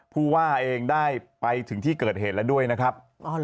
ผู้ว่าเองได้ไปถึงที่เกิดเหตุแล้วด้วยนะครับ